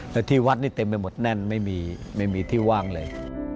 แล้วที่วัดนี่เต็มไปหมดแน่นไม่มีที่ว่างเลย